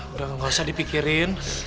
udah gak usah dipikirin